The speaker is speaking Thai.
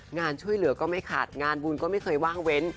งานช่วยเหลือก็ไม่ขาดงานบุญก็ไม่เคยว่างเว้น